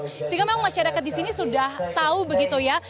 sehingga memang masyarakat di sini sudah tahu begitu ya